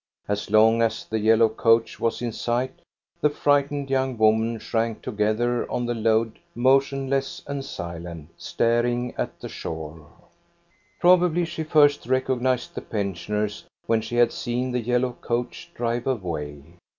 As long as the yellow coach was in sight, the frightened young woman shrank together on the load motionless and silent, staring at the shore. Probably she first recognized the pensioners when she had seen the yellow coach drive away.